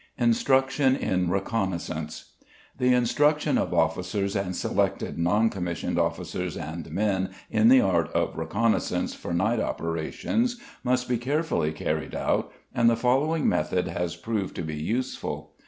Instruction in Reconnaissance. The instruction of officers and selected non commissioned officers and men in the art of reconnaissance for night operations must be carefully carried out, and the following method has proved to be useful.